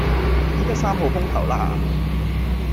而家三號風球喇